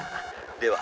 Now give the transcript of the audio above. では